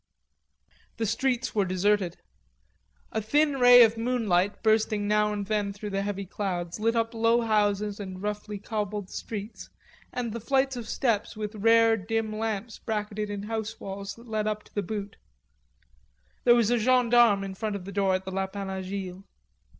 The streets were deserted. A thin ray of moonlight, bursting now and then through the heavy clouds, lit up low houses and roughly cobbled streets and the flights of steps with rare dim lamps bracketed in house walls that led up to the Butte. There was a gendarme in front of the door of the Lapin Agile.